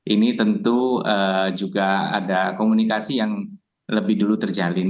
ini tentu juga ada komunikasi yang lebih dulu terjalin